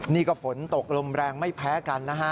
นี่ก็ฝนตกลมแรงไม่แพ้กันนะฮะ